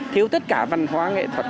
thiếu tất cả văn hóa nghệ thuật